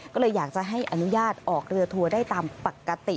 ก็เลยอยากจะให้อนุญาตออกเรือทัวร์ได้ตามปกติ